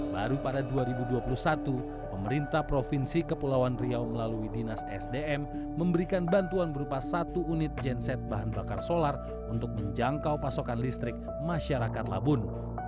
baru pada dua ribu dua puluh satu pemerintah provinsi kepulauan riau melalui dinas sdm memberikan bantuan berupa satu unit genset bahan bakar solar untuk menjangkau pasokan listrik masyarakat labun